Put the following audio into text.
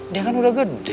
dia kan udah gede